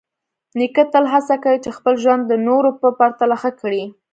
نیکه تل هڅه کوي چې خپل ژوند د نورو په پرتله ښه کړي.